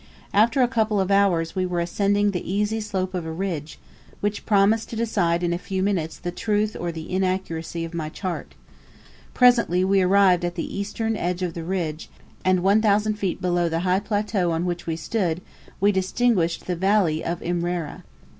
After a couple of hours we were ascending the easy slope of a ridge, which promised to decide in a few minutes the truth or the inaccuracy of my chart. Presently we arrived at the eastern edge of the ridge, and about five miles away, and 1,000 feet below the high plateau on which we stood, we distinguished the valley of Imrera!